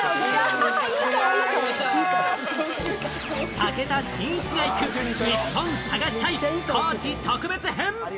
武田真一が行く、ニッポン探し隊・高知特別編！